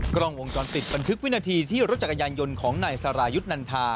กล้องวงจรปิดบันทึกวินาทีที่รถจักรยานยนต์ของนายสรายุทธ์นันทา